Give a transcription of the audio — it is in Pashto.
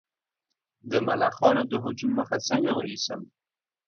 د ملخانو د هجوم مخه څنګه ونیسم؟